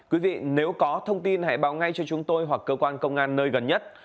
quý vị nếu có thông tin hãy báo ngay cho chúng tôi hoặc cơ quan công an nơi gần nhất